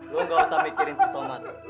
lo enggak usah mikirin si somad